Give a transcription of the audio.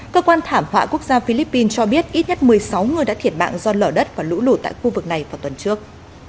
cơ quan thảm họa quốc gia philippines cho biết ít nhất một mươi sáu người đã thiệt mạng do lở đất và lũ lụt tại khu vực này vào tuần trước